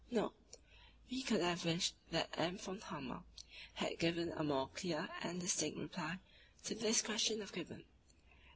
Note: * We could have wished that M. von Hammer had given a more clear and distinct reply to this question of Gibbon.